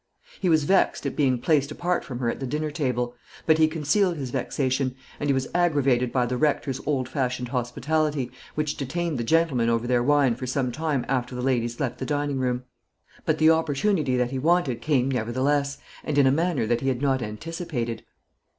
He was vexed at being placed apart from her at the dinner table, but he concealed his vexation; and he was aggravated by the Rector's old fashioned hospitality, which detained the gentlemen over their wine for some time after the ladies left the dining room. But the opportunity that he wanted came nevertheless, and in a manner that he had not anticipated.